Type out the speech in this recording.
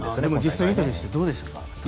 実際にインタビューしてみてどうでしたか？